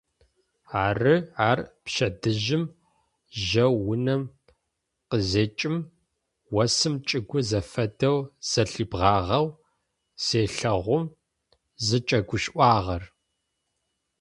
Ары ар пчэдыжьым жьэу унэм къызекӏым осым чӏыгур зэфэдэу зэлъибгъагъэу зелъэгъум зыкӏэгушӏуагъэр.